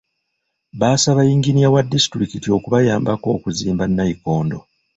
Baasaaba yinginiya wa disitulikiti okubayambako okuzimba nnayikondo.